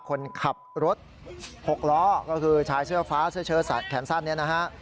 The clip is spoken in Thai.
คนขับรถหกล้อก็คือชายเสื้อฟ้าเสื้อแขนสั้นเนี่ยนะฮะ